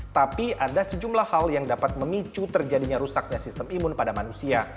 tapi ada sejumlah hal yang dapat memicu terjadinya rusaknya sistem imun pada manusia